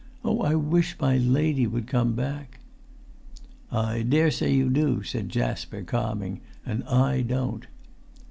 "Oh, I wish my lady would come back!" "I daresay you do," said Jasper, calming. "And I don't."